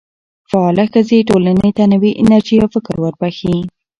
فعاله ښځې ټولنې ته نوې انرژي او فکر وربخښي.